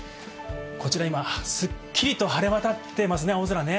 こちら今、すっきりと晴れ渡ってますね、青空ね。